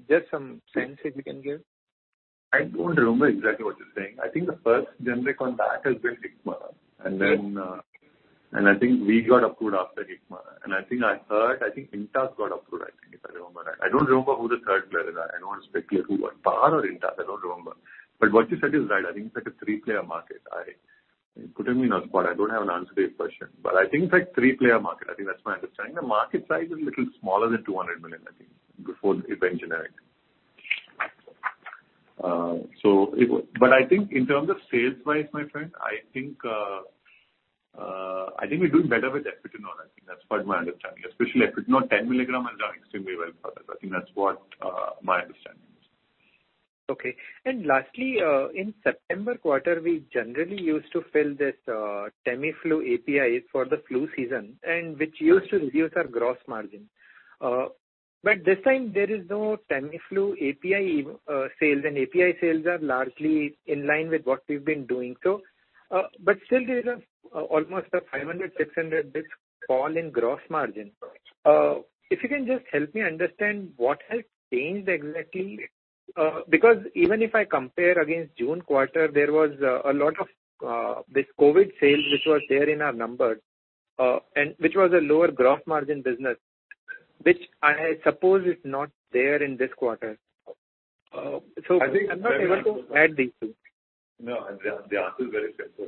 Just some sense if you can give.
I don't remember exactly what you're saying. I think the first generic on that has been Hikma. Then, I think we got approved after Hikma. I think I heard Intas got approved, if I remember right. I don't remember who the third player is. I don't want to speculate who was. Par or Intas, I don't remember. What you said is right. I think it's like a three-player market. You're putting me on the spot. I don't have an answer to your question, but I think it's like three-player market. I think that's my understanding. The market size is a little smaller than $200 million, I think, before the generic event. I think in terms of sales wise, my friend, I think we're doing better with [Epzicom]. I think that's part of my understanding, especially [inaudible] 10 mg is doing extremely well for us. I think that's what my understanding is.
Okay. Lastly, in September quarter, we generally used to fill this Tamiflu APIs for the flu season and which used to reduce our gross margin. This time there is no Tamiflu API sales, and API sales are largely in line with what we've been doing. But still there's almost a 500 basis points-600 basis points fall in gross margin. If you can just help me understand what has changed exactly? Because even if I compare against June quarter, there was a lot of this COVID sales which was there in our numbers, and which was a lower gross margin business, which I suppose is not there in this quarter. I'm not able to add these two.
No, the answer is very simple.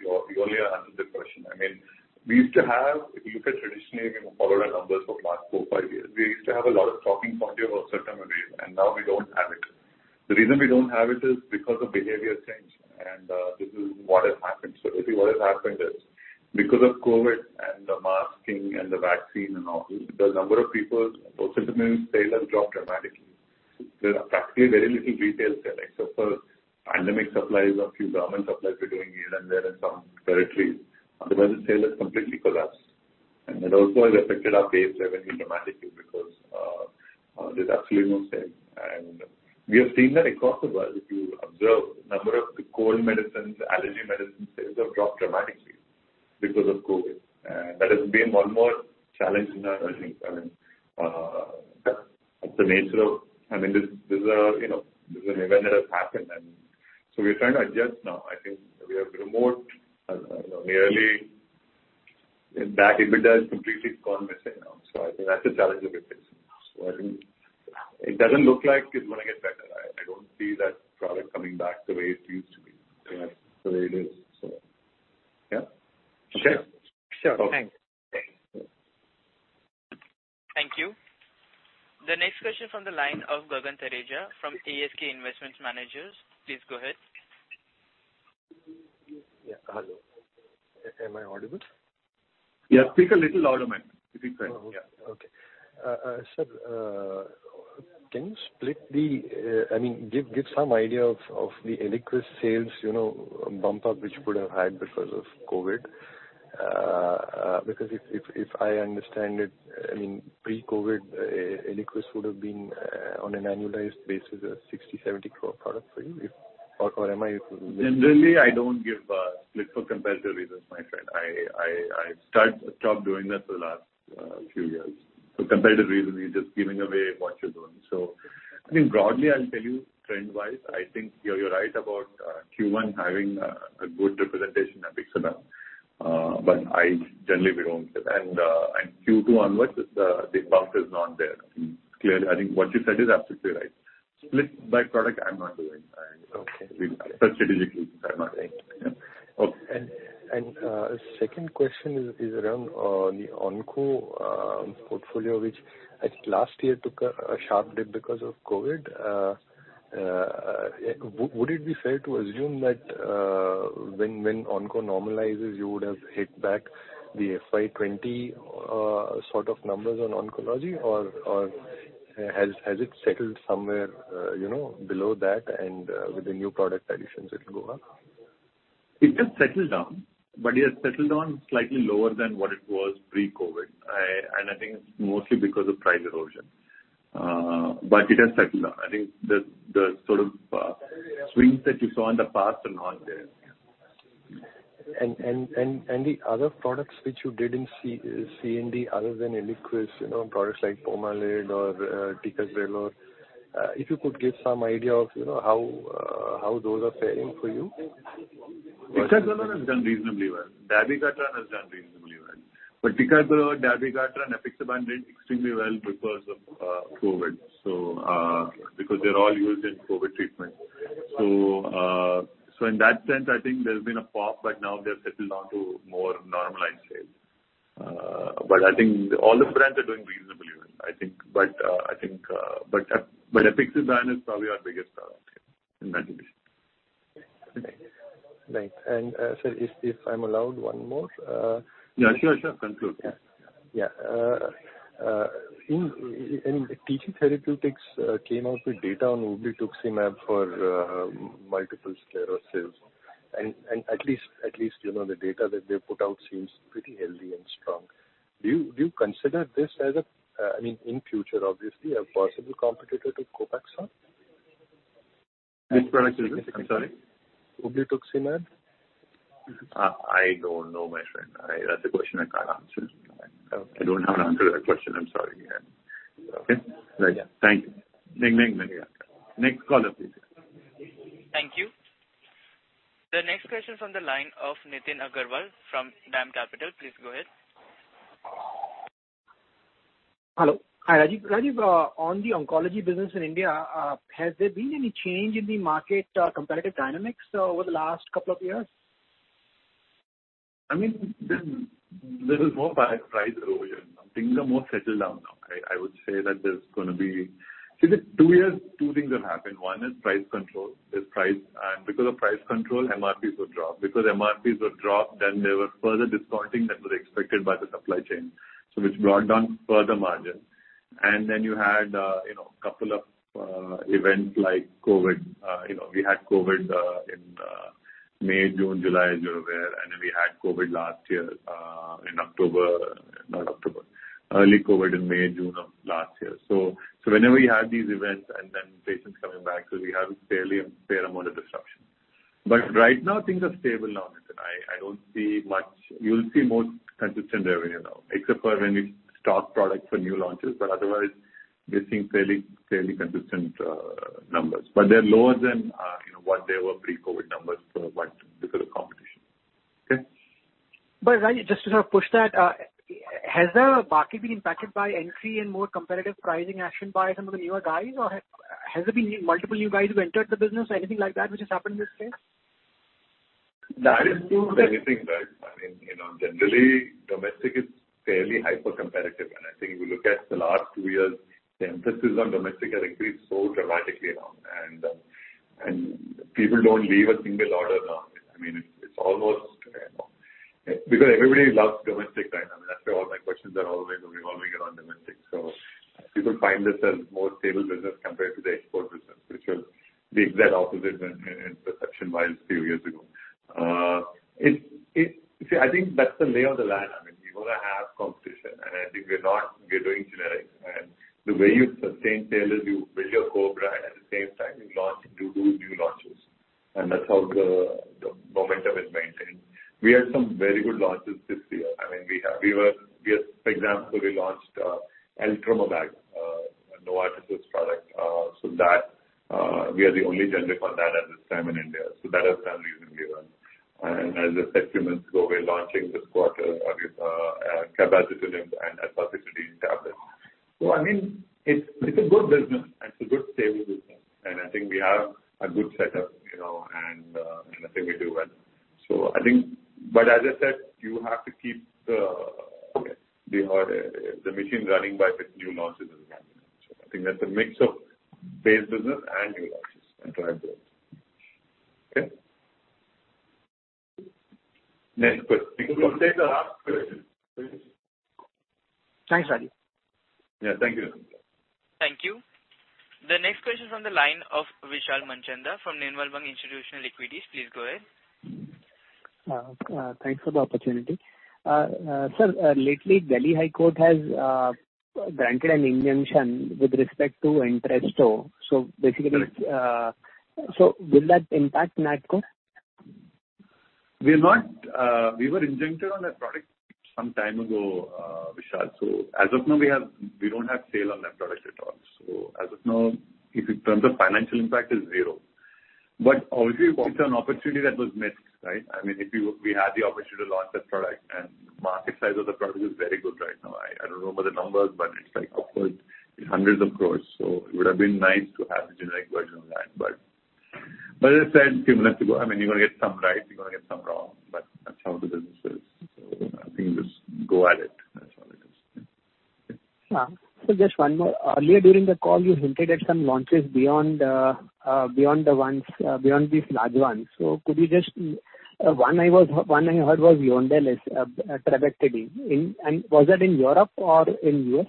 You only answered the question. I mean, if you look at traditionally, you know, follow our numbers for the last four to five years. We used to have a lot of stocking for certain areas, and now we don't have it. The reason we don't have it is because of behavior change, and this is what has happened. I think what has happened is because of COVID and the masking and the vaccine and all, the number of people, or certain sales have dropped dramatically. There's actually very little retail sales. Except for pandemic supplies or few government supplies we're doing here and there in some territories. Otherwise, sale has completely collapsed. It also has affected our base revenue dramatically because there's absolutely no sales. We have seen that across the world. If you observe the number of cold medicines, allergy medicine sales have dropped dramatically because of COVID. That has been one more challenge in our earnings. I mean, that's the nature of this. You know, this is an event that has happened, so we're trying to adjust now. I think we have removed that EBITDA has completely gone missing now, so I think that's the challenge we're facing. I think it doesn't look like it's gonna get better. I don't see that product coming back the way it used to be. Yeah. The way it is. Yeah. Okay.
Sure. Thanks.
Okay.
Thank you. The next question from the line of Gagan Thareja from ASK Investment Managers. Please go ahead.
Yeah. Hello. Am I audible?
Yeah. Speak a little louder, man. It'd be fine. Yeah.
Okay. Sir, I mean, give some idea of the Eliquis sales, you know, bump up which could have had because of COVID. Because if I understand it, I mean, pre-COVID, Eliquis would have been on an annualized basis a 60 crore-70 crore product for you if. Or am I-
Generally, I don't give split for competitive reasons, my friend. I stopped doing that for the last few years. For competitive reasons, you're just giving away what you're doing. I think broadly, I'll tell you trend wise, I think you're right about Q1 having a good representation of Eliquis. But generally we don't split. Q2 onwards, the bump is not there. Clearly, I think what you said is absolutely right. Split by product, I'm not doing that.
Okay.
Strategically, I'm not.
Right.
Yeah. Okay.
Second question is around the onco portfolio, which I think last year took a sharp dip because of COVID. Would it be fair to assume that when onco normalizes, you would have hit back the FY 2020 sort of numbers on oncology? Or has it settled somewhere, you know, below that and with the new product additions it'll go up?
It has settled down, but it has settled down slightly lower than what it was pre-COVID. I think it's mostly because of price erosion. It has settled down. I think the sort of swings that you saw in the past are not there.
The other products which you didn't see other than Eliquis, you know, products like Pomalyst or Ticagrelor, if you could give some idea of, you know, how those are faring for you.
ticagrelor has done reasonably well. dabigatran has done reasonably well. Ticagrelor, dabigatran, apixaban did extremely well because of COVID because they're all used in COVID treatment. in that sense, I think there's been a pop, but now they're settled on to more normalized sales. I think all the brands are doing reasonably well, I think. but apixaban is probably our biggest seller in that division.
Right. Sir, if I'm allowed one more,
Yeah, sure. Conclude.
Yeah. In TG Therapeutics came out with data on Ublituximab for multiple sclerosis. At least you know the data that they put out seems pretty healthy and strong. Do you consider this as I mean in future obviously a possible competitor to Copaxone?
Which product is it? I'm sorry.
Ublituximab.
I don't know, my friend. That's a question I can't answer.
Okay.
I don't have an answer to that question. I'm sorry. Yeah. Okay?
Right. Thank you.
Thank you. Next caller, please.
Thank you. The next question from the line of Nitin Agarwal from DAM Capital. Please go ahead.
Hello. Hi, Rajeev. Rajeev, on the oncology business in India, has there been any change in the market, competitive dynamics over the last couple of years?
I mean, there is more price erosion. Things are more settled down now, right? I would say that there's gonna be. See, two things have happened. One is price control. There's price, and because of price control, MRPs were dropped. Because MRPs were dropped, then there were further discounting that were expected by the supply chain, so which brought down further margin. Then you had a couple of events like COVID. We had COVID in May, June, July, you're aware, and then we had COVID last year in October. Not October. Early COVID in May, June of last year. So whenever you have these events and then patients coming back, we have a fair amount of disruption. Right now things are stable now, Nitin. I don't see much. You'll see more consistent revenue now, except for when you stock products for new launches, but otherwise we're seeing fairly consistent numbers. But they're lower than, you know, what they were pre-COVID because of competition.
Rajiv, just to sort of push that, has the market been impacted by entry and more competitive pricing action by some of the newer guys? Or has there been multiple new guys who entered the business or anything like that which has happened in this space?
That is true of anything, right? I mean, you know, generally domestic is fairly hypercompetitive. I think if you look at the last two years, the emphasis on domestic has increased so dramatically now and people don't leave a single order now. I mean, it's almost, you know. Because everybody loves domestic right now, and that's why all my questions are always revolving around domestic. People find this as more stable business compared to the export business, which was the exact opposite in perception-wise few years ago. See, I think that's the lay of the land. I mean, we're gonna have competition, and I think. We're doing generics. The way you sustain sales is you build your core brand, at the same time you launch new launches. That's how the momentum is maintained. We had some very good launches this year. I mean, we had, for example, we launched Eltrombopag, Novartis' product, so that we are the only generic on that at this time in India, so that has done reasonably well. As I said a few minutes ago, we're launching this quarter cabazitaxel and Apalutamide tablets. I mean, it's a good business, and it's a good, stable business. I think we have a good setup, you know, and I think we do well. I think that's a mix of base business and new launches that drive growth. Okay. Next question. We'll take the last question.
Thanks, Rajiv.
Yeah. Thank you.
Thank you. The next question from the line of Vishal Manchanda from Nirmal Bang Institutional Equities. Please go ahead.
Thanks for the opportunity. Sir, lately Delhi High Court has granted an injunction with respect to Entresto. Basically, will that impact NATCO?
We're not, we were enjoined on that product some time ago, Vishal. So as of now, we don't have sales on that product at all. So as of now, in terms of financial impact, it is zero. But obviously it's an opportunity that was missed, right? I mean, we had the opportunity to launch that product, and market size of the product is very good right now. I don't remember the numbers, but it's like upwards hundreds of crores. So it would've been nice to have a generic version of that. But as I said a few minutes ago, I mean, you're gonna get some right, you're gonna get some wrong, but that's how the business is. I think just go at it. That's all it is.
Yeah. Just one more. Earlier during the call you hinted at some launches beyond these large ones. Could you just. One I heard was Yondelis trabectedin. And was that in Europe or in U.S.?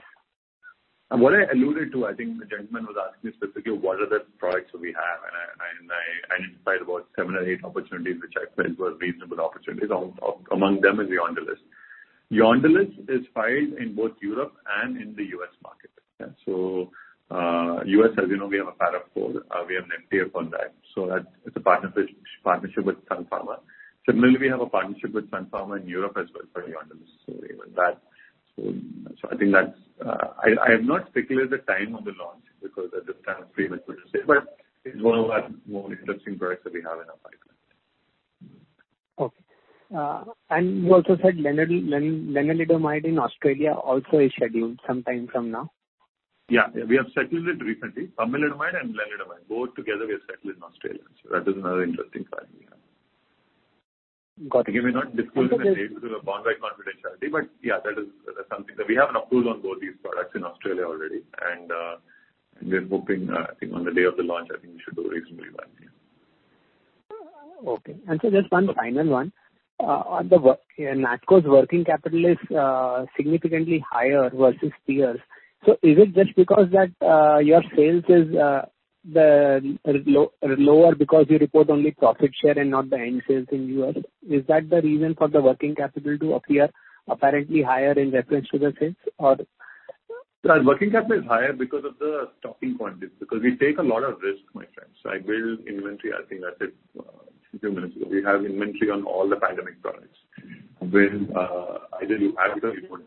What I alluded to, I think the gentleman was asking specifically what are the products that we have, and I identified about seven or eight opportunities which I felt were reasonable opportunities. Among them is Yondelis. Yondelis is filed in both Europe and in the U.S. market. U.S., as you know, we have a Para IV, we have an FTF contract, so that's a partnership with Sun Pharma. Similarly, we have a partnership with Sun Pharma in Europe as well for Yondelis. I have not speculated the time on the launch because at this time frame it would just be a guess, but it's one of our more interesting products that we have in our pipeline.
You also said lenalidomide in Australia also is scheduled some time from now.
Yeah. We have settled it recently. pomalidomide and lenalidomide, both together we have settled in Australia. That is another interesting product we have.
Got it.
Again, we're not disclosing the date because of bond right confidentiality, but yeah, that is something that we have an approval on both these products in Australia already and, we're hoping, I think on the day of the launch, we should do reasonably well, yeah.
Okay. Just one final one. On NATCO's working capital is significantly higher versus peers. Is it just because that your sales is lower because you report only profit share and not the net sales in U.S.? Is that the reason for the working capital to appear apparently higher in reference to the sales or?
The working capital is higher because of the stocking point, because we take a lot of risk, my friend. I build inventory, I think I said a few minutes ago, we have inventory on all the pandemic products. When either you have it or you don't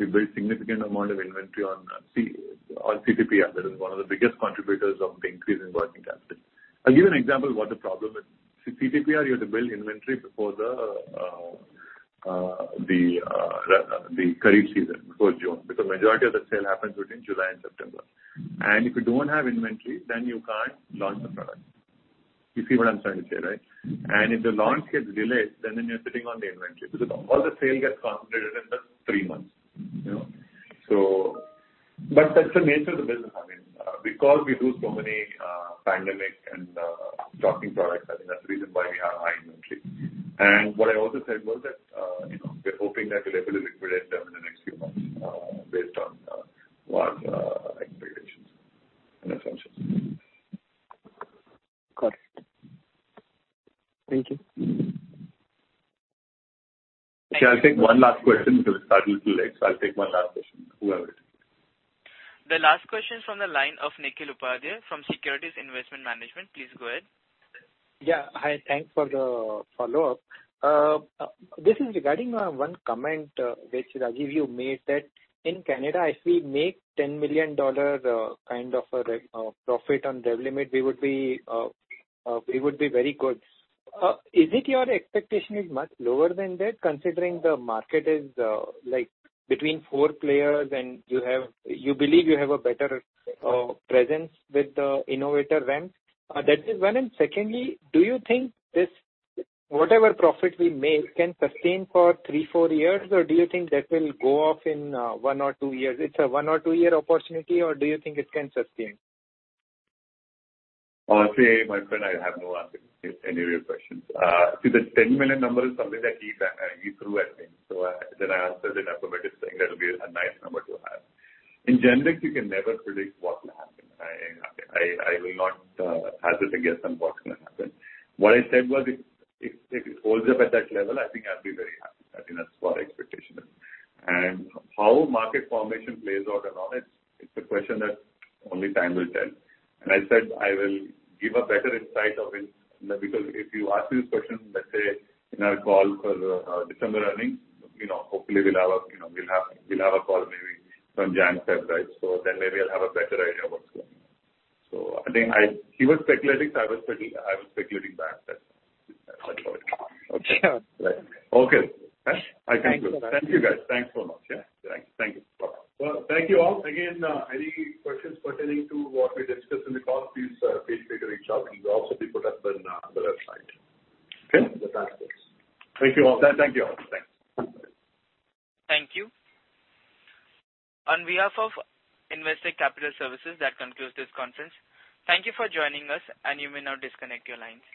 have it. We build significant amount of inventory on CTPR, on CTPR. That is one of the biggest contributors of the increase in working capital. I'll give you an example what the problem is. See CTPR, you have to build inventory before the kharif season, before June, because majority of the sale happens between July and September. If you don't have inventory, then you can't launch the product. You see what I'm trying to say, right? If the launch gets delayed, then you're sitting on the inventory because all the sales get concentrated in the three months, you know. That's the nature of the business. I mean, because we do so many pandemic and stocking products, I think that's the reason why we have high inventory. What I also said was that, you know, we're hoping that we'll be able to liquidate them in the next few months, based on launch expectations and assumptions.
Got it. Thank you.
Okay. I'll take one last question because we started little late, so I'll take one last question, whoever it is.
The last question is from the line of Nikhil Upadhyay from Securities Investment Management. Please go ahead.
Yeah. Hi. Thanks for the follow-up. This is regarding one comment which Rajeev you made that in Canada if we make $10 million kind of a profit on Revlimid we would be very good. Is your expectation much lower than that considering the market is like between four players and you believe you have a better presence with the innovator ramp? That is one. Secondly do you think this whatever profit we make can sustain for three, four years or do you think that will go off in one or two years? It's a one- or two-year opportunity or do you think it can sustain?
Honestly, my friend, I have no answer to any of your questions. See, the $10 million number is something that he threw at me. Then I answered it affirmatively saying that'll be a nice number to have. In generics, you can never predict what will happen. I will not hazard a guess on what's gonna happen. What I said was if it holds up at that level, I think I'd be very happy. I think that's what our expectation is. How market formation plays out or not, it's a question that only time will tell. I said I will give a better insight of it because if you ask me this question, let's say in our call for December earnings, you know, hopefully we'll have a call maybe from January, February, right? Maybe I'll have a better idea of what's going on. I think he was speculating, so I was speculating back. That's all.
Okay.
Okay. I thank you. Thank you, guys. Thanks so much. Yeah. Thank you. Bye. Well, thank you all. Again, any questions pertaining to what we discussed in the call, please feel free to reach out. It will also be put up on the website. Okay. Thank you all. Thank you all. Thanks.
Thank you. On behalf of Investec Capital Services, that concludes this conference. Thank you for joining us, and you may now disconnect your lines.